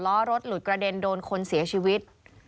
ล้อรถหลุดกระเด็นโดนคนเสียชีวิต